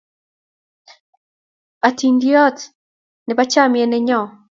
atindeyot nebo chamiet neyo